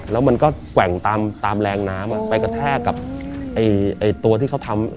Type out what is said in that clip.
แล้วมันก็แกว่งตามแรงน้ำไปกระแทกกับตัวที่เขาทำ